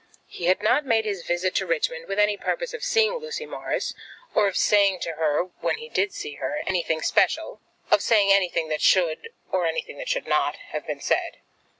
He had not made his visit to Richmond with any purpose of seeing Lucy Morris, or of saying to her when he did see her anything special, of saying anything that should, or anything that should not, have been said.